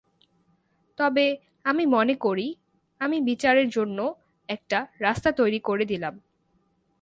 তবে আমি মনে করি, আমি বিচারের জন্য একটা রাস্তা তৈরি করে দিলাম।